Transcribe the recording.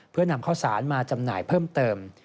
เพื่อนำข้าวสารมาจำหน่ายเพิ่มเติม